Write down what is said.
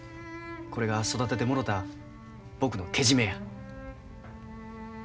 これが育ててもろた僕のけじめや。